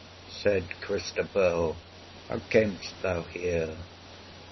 75 Said Christabel, How camest thou here?